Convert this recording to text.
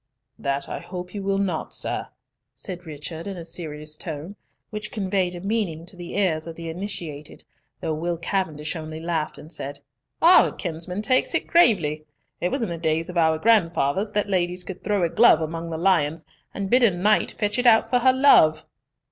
"That I hope you will not, sir," said Richard, in a serious tone, which conveyed a meaning to the ears of the initiated, though Will Cavendish only laughed, and said, "Our kinsman takes it gravely! It was in the days of our grandfathers that ladies could throw a glove among the lions, and bid a knight fetch it out for her love."